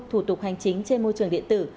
thủ tục hành chính trên môi trường điện tử